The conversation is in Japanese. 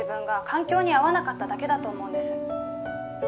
環境に合わなかっただけだと思うんです